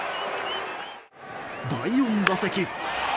第４打席。